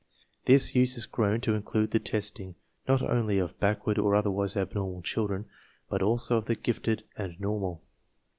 This use has grown to include the testing not only of backward or otherwise abnormal children, but also of the gifted and normal.